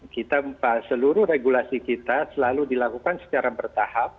kita seluruh regulasi kita selalu dilakukan secara bertahap